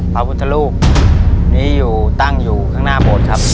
พระพุทธรูปนี้อยู่ตั้งอยู่ข้างหน้าโบสถ์ครับ